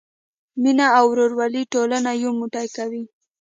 مینه او ورورولي ټولنه یو موټی کوي.